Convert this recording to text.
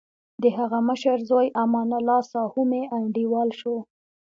دهغه مشر زوی امان الله ساهو مې انډیوال شو.